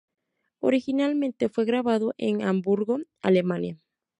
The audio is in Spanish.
Originalmente, fue grabado en Hamburgo, Alemania.